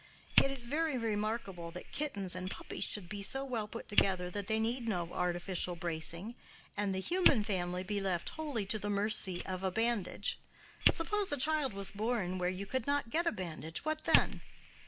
It is very remarkable that kittens and puppies should be so well put together that they need no artificial bracing, and the human family be left wholly to the mercy of a bandage. Suppose a child was born where you could not get a bandage, what then?